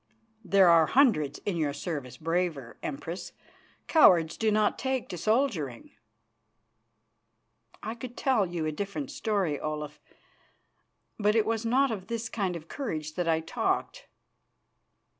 "There are hundreds in your service braver, Empress; cowards do not take to soldiering." "I could tell you a different story, Olaf; but it was not of this kind of courage that I talked.